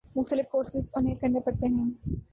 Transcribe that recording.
مختلف کورسز انہیں کرنے پڑتے ہیں۔